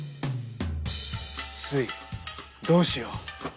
スイどうしよう。